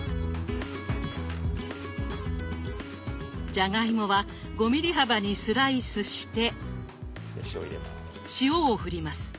じゃがいもは５ｍｍ幅にスライスして塩をふります。